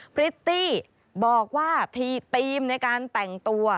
พริตตี้บอกว่าทีธีมในการแต่งตัว